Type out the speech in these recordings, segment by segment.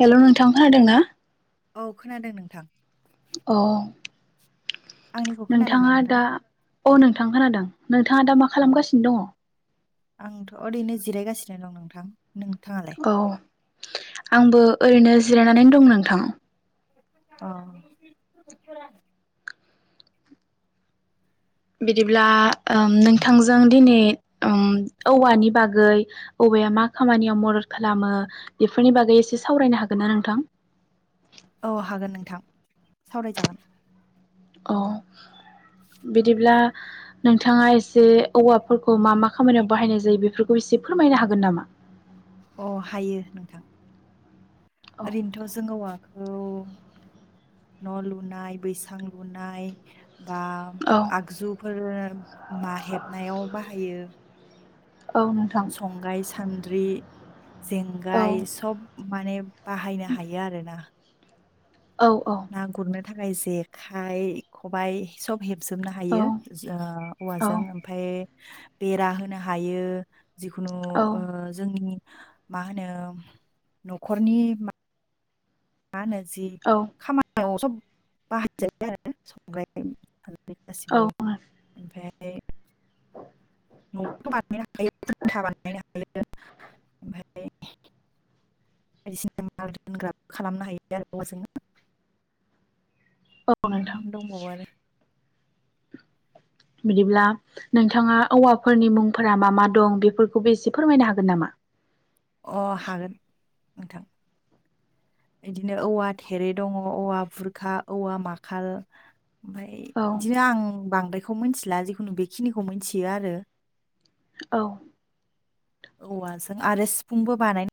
हेल' नोंथां खोनादों ना औ खोनादों नोंथां औ आंनिखौ खोनादोंना नोंथाङा नोंथां दा अ नोंथां खोनादों नोंथाङा दा मा अ खालामगासिनो दङ आंथ ओरैनो जिरायगासिनो दं नोंथां नोंथाङालाय औ आंबो ओरैनो जिरायनानै दं नोंथां अ बिदिब्ला ओ नोंथांजों दिनै ओम औवानि बागै औवाया मा खामानियाव मदद खालामो बेफोरनि बागै एसे सावरायनो हागोन ना नोंथां औ हागोन नोंथां सावरायजागोन। औ बिदिब्ला नोंथाङा एसे औवाफोरखौ मा मा खामानियाव बाहायनाय जायो बेफोरखौ एसे फोरमायनो हागोन नामा? अ हायो नोंथां। औ ओरैनोथ' जोङोवा औ न' लुनाय बैसां लुनाय। बा औ आगजुफोर [unintelligible] मा हेबनायाव बाहायो? औ नोंथां। संग्राय सान्द्रि। औ जेंगाय सब माने बाहायनो हायो आरोना। औ औ ना गुरनो थाखाय जेखाइ खबाइ सब हेबजोबनो औ हायो जो ओ औवाजों औ ओमफाय बेरा होनो हायो। जिखुनु औ ओ जोंनि मा होनो न'खरनि मा मानो जि औ खामा [unintelligible] खालामै गासिबो औ ओमफ्राय ओमफ्राय न' बानायनो हायो खुन्था बानायनो हायो ओमफ्राय बायदिसिना माल दोनग्रा खालामनो हायो आरो अ जोंनो औ नोंथां। आरो बिदिब्ला नोंथाङा औवाफोरनि मुंफोरा मा मा दं बेफोरखौबो एसे फोरमायनो हागोन नामा? अ हागोन। नोंथां बिदिनो औवा थेरे दङ, औवा बुरखा, औवा माखाल। ओमफाय औ बिदिनो आं बांद्रायखौ मिथिला जिखुनु बेखिनिखौ मिथियो आरो। औ। औवाजों आरो सिफुंबो बानाय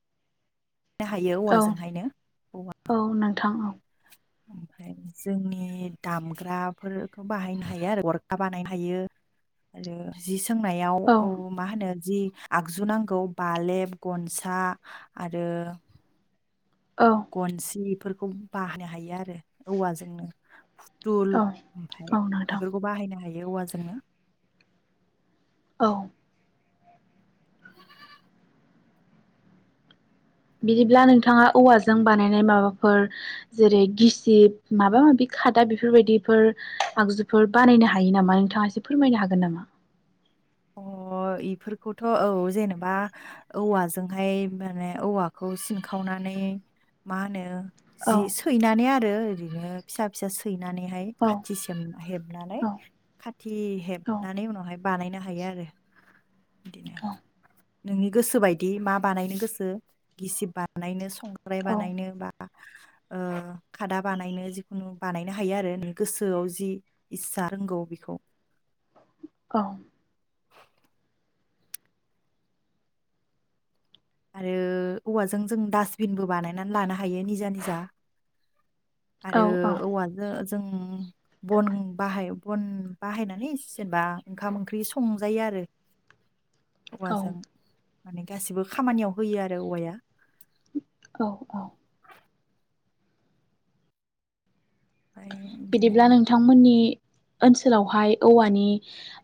औ औ नोंथां औ। ओमफ्राय जोंनि दामग्राफोरखौ बाहायनो हायो आरो अरखा बानायनो हायो आरो जिस सोंनायाव औ मा होनो जि आगजु नांगौ बालेब गनसा आरो औ गनसिफोर। बेखौ बाहो हायो आरो औवाजोंनो। टुल औ औ ओमफाय नोंथां बेफोरखौ बाहायनो हायो। बे औवाजोंनो। औ। बिदिब्ला नोंथाङा औवाजों बानायनाय माबाफोर जेरै गिसिब माबा माबि खादा बेफोरबायदिफोर आगजुफोर बानायनो हायो नामा नोंथाङा एसे फोरमायनो हागोन नामा? अ इफोरखौथ' औ जेनेबा औवाजोंहाय माने औवाखौ सिनखावनानै मा होनो औ जि सैनानै आरो। ओरैनो फिसा फिसा सै नानैहाय औ खाथि सोम हेबनानै औ खाथि औ हेबनानै उनावहाय बानायनो हायो आरो। बिदिनो औ। नोंनि गोस बायदि मा बानायनो गोसो गिसिब बानायनो संग्राय औ बानायनो बा ओ खादा बानायनो जिखुनु बानायनो हायो आरो नों गोसोआव जि इस्सा रोंगौ बेखौ। औ। आरो औवाजों जों डासटबिनबो बानायनानै लानो हायो निजा निजा। आरो औ औवाजों जों बन बाहाय बन बाहायनानै जेनेबा ओंखाम ओंख्रि संजायो आरो। औ औवाजों। माने गासिबो खामानियाव होयो आरो औवाया। औ औ। ओमफ्राय बिदिनो बिदिब्ला नोंथांमोननि ओनसोलावहाय औवानि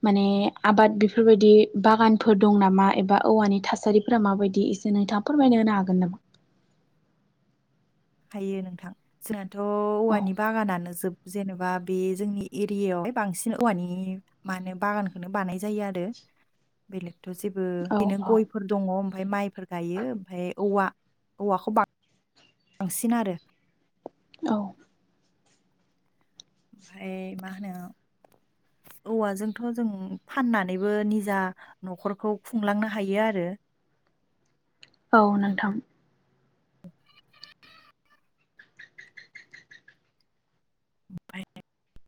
माने आबाद बेफोरबायदि बागानफोर दं नामा एबा औवानि थासारिफोरा माबायदि एसे नोंथाङा फोरमायनो होनो हागोन नामा? हायो नोंथां जा थ' औ औवानि बागानानो जोब जेनेबा बे जोंनि एरियायावहाय बांसिन औवानि मा होनो बागानखौनो बानाय जायो आरो बेलेक थ' जेबो औ बेनो गयफोर दङ। ओमफ्राय माइफोर गायो ओमफ्राय औवा औवाखौ बां बांसिन आरो। औ। ओमफ्राय मा होनो औवाजोंथ' जों फाननानैबो निजा न'खरखौ खुंलांनो हायो आरो। औ नोंथां। [inaudible] [inaudible]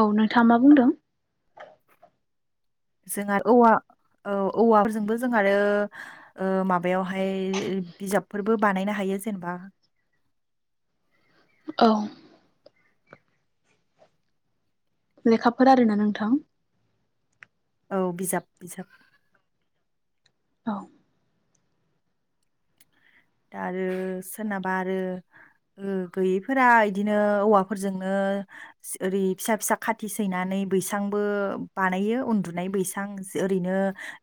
औ नोंथाङा मा बुंदों? जोंहा औवा औ-औवाफोरजोंबो जों आरो ओ माबायावहाय बिजाबफोरबो बानायनो हायो जेनेबा औ लेखाफोर आरोना नोंथां? औ बिजाब बिजाब औ दा आरो सोरनाबा आरो ओ गैयैफोरा इदिनो औवाफोरजोंनो ओरै फिसा फिसा खाथि सैनानै बैसांबो बानायो उन्दुनाय बैसां ओरैनो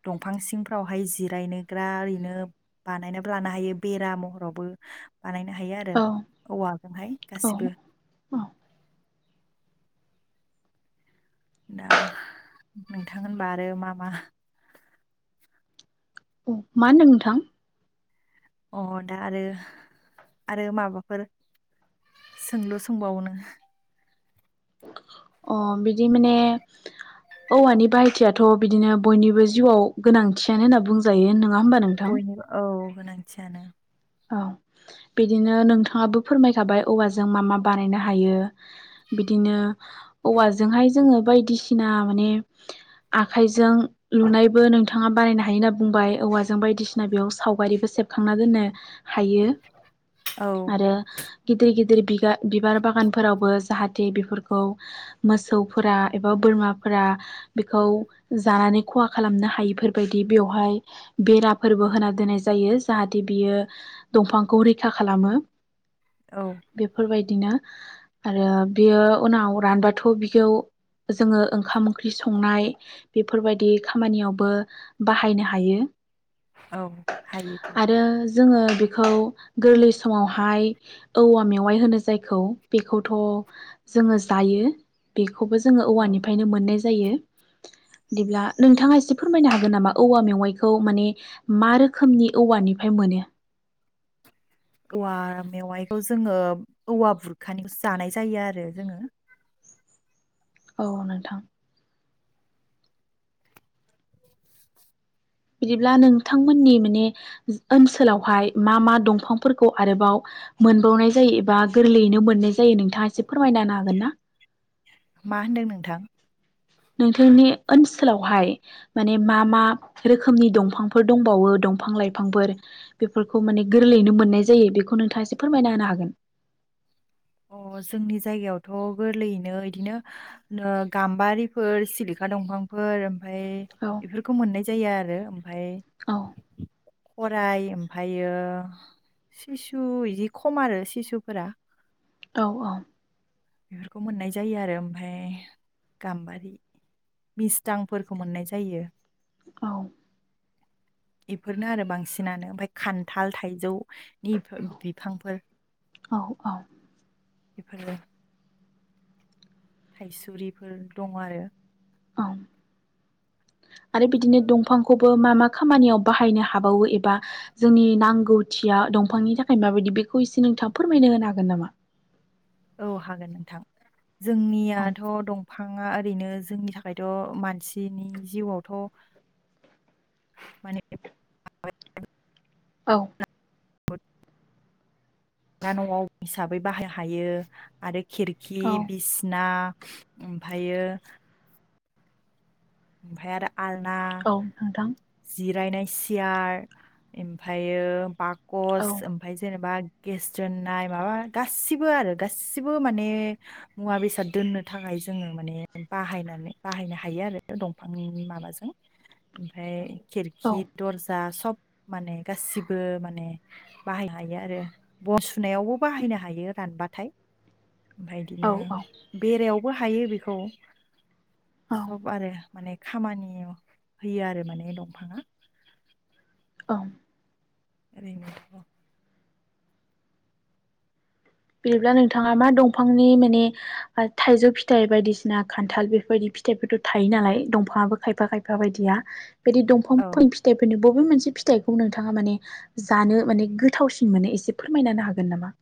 दंफां सिंफ्रावहाय जिरायनोग्रा ओरैनो बानायनानैबो लानो हायो। बेरा महरावबो बानायनो हायो आरो औ औवाजोंहाय औ गासिबो। दा नोंथां होनबा आरो मा मा औ मा होनदों नोंथां? अ दा आरो आरो माबाफोर सोंलु सोंबावनो? अ बिदि माने औवानि बाहायथियाथ' बिदिनो बयनिबो जिउआव गोनांथियानो होनना बुंजायो होन बयनिबो औ गोनांथियानो‌। औ। बिदिनो नोंथाङाबो फोरमायखाबाय औवाजों मा मा बानायनो हायो, बिदिनो औवाजोंहाय जोङो बायदिसिना माने आखाइजों लुनायबो नोंथाङा बानायनो हायो होनना बुंबाय, औवाजों बायदिसिना बेयाव सावगारिबो सेबखांना दोनो हायो औ आरो गिदिर-गिद दिर सिगा-बिबार बागानफोरावबो जाहाथे बेफोरखौ मोसौफोरा एबा बोरमाफोरा बेखौ जानानै खहा खालामनो हायिफोरबायदि बेवहाय बेराफोरबो होना दोननाय जायो, जाहाथे बियो दंफांखौ रैखा खालामो। औ बेफोरबाय दिनो आरो बियो उनाव रानबाथ' बिखौ जोङो ओंखाम-ओंख्रि संनाय बेफोरबायदि खामानियावबो बाहायनो हायो। औ हायोथ'। आरो जोङो बेखौ गोरलै समावहाय औवा मेवाइ होनो जायखौ बेखौथ' जोङो जायो। बे खौबो जोङो औ औवानिफ्रायनो मोननाय जा जायो। बिदिब्ला नोंथाङा एसे फोरमायनो हागोन नामा औवा मेवाइखौ माने मा रोखोमनि औवानिफ्राय मोनो? औवा मेवाइखौ जोङो औवा बुरखानिखौसो जानाय जायो आरो जोङो औ नोंथां बिदिब्ला नोंथांमोननि माने ओनसोलावहाय मा मा दंफांफोरखौ आरोबाव मोनबावनाय जायो एबा गोरलैयैनो मोननाय जायो नोंथाङा एसे फोरमायना होनो हागोनना? मा होनदों नोंथां? नोंथांनि ओनसोलावहाय माने मा मा रोखोमनि दंफांफोर दंबावो, दंफां लाइफांफोर बेफोरखौ माने गोरलैयैनो मोननाय जायो बेखौ नोंथाङा एसे फोरमायना होनो हागोन? अ जोंनि जायगायावथ' गोरलैयैनो बिदिनो गाम्बारिफोर, सिलिखा दंफांफोर ओमफाय औ बेफोरखौ मोननाय जायो आरो ओमफाय औ खराय ओमफ्रायो सिसु बिदि खम आरो सिसुफोरा औ औ। बेफोरखौ मोननाय जायो आरो, ओमफफ्राय गाम्बारि मिस्टांफोरखौ मोननाय जायो। औ। बेफोरनो आरो बांसिनानो ओमफाय खान्थाल, थाइजौनि बिफांफोर औ औ। बेफोरनो थाइसुरिफोर दं आरो औ। आरो बिदिनो दंफांखौबो मा मा खामानियाव बाहायनो हाबावो एबा जोंनि नांगौथिया दंफांनि थाखाय माबायदि बेखौ एसे नोंथाङा फोरमायना होनो हागोन नामा? औ हागोन नोंथां। जोंनियाथ' दं फाङा ओरैनो जोंनि थाखायथ' मानसिनि जिउआवथ' माने औ। [unintelligible] न'आव हिसाबै बाहाय हायो आरो खिरखि औ बिसना ओमफ्रायो। फाय आरो आलना औ नोंथां जिब जिरायनाय सियार ओमफ्रायो बाग औ कस ओमफाय जेनेबा गेस दोननाय माबा गासिबो आरो गासिबो माने मुवा बेसाद दोननो थाखाय जोङो माने बाहायनानै बाहायनो हायो आरो। दंफां माबाजों ओमफ्राय औ खिरखि दर्जा सब माने गासिबो माने बाहायनो हायो आरो बन सुनायावबो बाहायनो हायो रानबाथाय। उमफाय औ औ बिदिनो बेरायाव बो हायो बेखौ। औ सब माने खामानि होयो आरो माने दंफाङा। औ। [unintelligible] बिदिब्ला नोंथाङा मा दंफांनि माने थाइजौ फिथाइ बायदिसिना खान्थाल बेफोरबायदि फिथाइफोरथ' थायो नालाय दंफाङाबो खायफा खायफा बायदिया बिदि दंफां औ फां-फिथाइफोरनो बबे मोनसे फिथाइखौ नोंथाङा माने जानो माने गोथावसिन मोनो एसे फोरमायांनो हागोन नामा?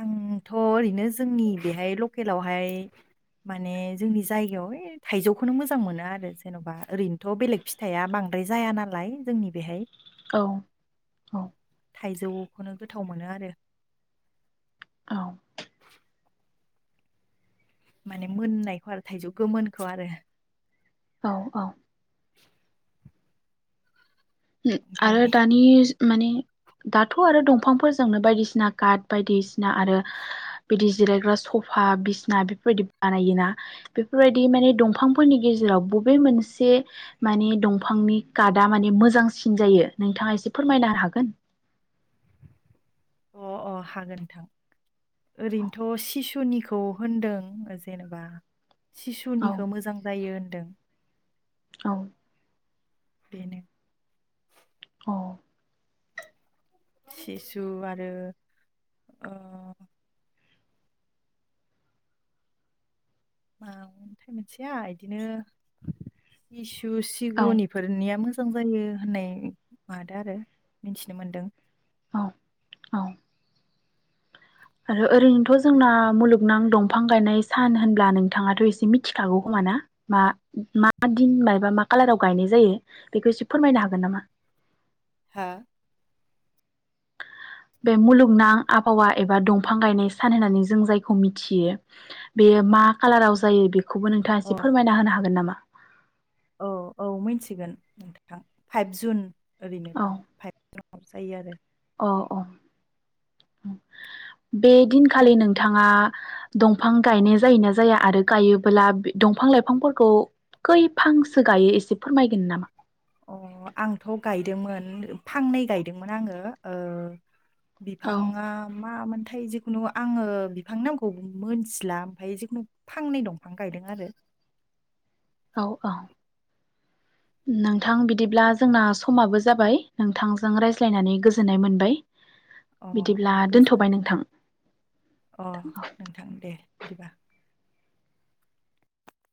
आंथ' ओरैनो जोंनि बेहाय लकेलावहाय माने जोंनि जायगायाव थाइजौखौनो मोजां मोनो आरो जेन'बा ओरैनोथ' बेलेग फिथाइआ बांद्राय जाया नालाय जोंनि बेहाय। औ औ। थाइजौखौनो गोथाव मोनो आरो। औ। माने मोननायखौ आरो थाइजौ गोमोनखौ आरो। औ औ। [inaudible] ओ ओमफाय आरो दानि। माने दाथ' आरो दंफांफोरजोंनो बायदिसिना काट बायदिसिना आरो बिदि जिरायग्रा सफा बिसना बेफोरबायदि बानायोना बेफोरबायदि माने दंफांफोरनि गेजेराव बबे मोनसे माने दंफांनि काटआ माने मोजां। सिन जायो नोंथाङा एसे फोरमायनो हागोन। अ अ हागोन नोंथां ओरैनोथ' सिसुनिखौ होनदों जेनेबा। औ सिसुनिखौ मोजां जायो। दों। औ। बेनो। सिसु आरो ओ। ओ मोनथिया इदिनो जिसु। औ सिगुनि फोरनिया मोजां। मोजां जायो होननाय मादो आरो मिथिनो मोनदों औ औ आरो ओरैनोथ' जोंना मुलुगनां दंफां गायनाय सान होनब्ला नोंथाङाथ' एसे मिथिखागौ खोमा ना मा मा दिन बायबा मा खालाराव गायनाय जायो बेखौ एसे फोरमायनो हागोन नामा हा बे मुलुगनां आबहावा एबा दंफां गायनाय सान होननानै जों जायखौ मिथियो बेयो मा कालाराव जायो बेखौ बेखौबो नोंथाङा अ एसे फोरमायना होनो हागोन नामा [inaudible] औ औ मोनथिगोन नोंथां फाइभ जुन ओरैनोथ' औ फाइ जाब जायो आरो अ अ बे दिनखालि नोंथाङा दंफां गायनाय जायोना जाया आरो गायोबोला दंफां लाइफांफोरखौ खैफांसो गायो एसे फोरमायगोन नामा अ आंथ' गायदोंमोन फांनै गायदोंमोन आङो औ बिफाङा मा मोनदों ओमफ्राय जिखुनु आङो बिफां नांगौ मोनथिला ओमफ्रायाय जिखुनु फांनै दंफां गायदों आरो औ औ नोंथां बिदिब्ला जोंना समाबो जाबाय नोंथांजों रायज्लायनानै गोजोननाय मोनबाय अ अ बिदिब्ला गोजोन दोनथ'बाय नोंथां। अ औ नोंथां दे बिदिबा